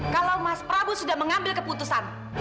kalau mas prabu sudah mengambil keputusan